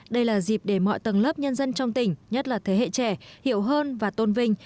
đây là dịp để mọi tầng lớp nhân dân trong tỉnh nhất là thế hệ trẻ hiểu hơn và tôn vinh